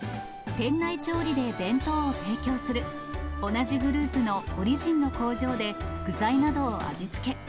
店内調理で弁当を提供する、同じグループのオリジンの工場で具材などを味付け。